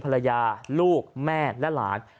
ภรรยาลูกแม่และหลาน